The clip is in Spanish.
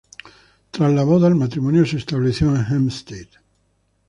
Tras la boda el matrimonio se estableció en Hampstead.